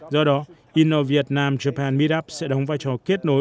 do đó innovietnam japan midup sẽ đóng vai trò kết nối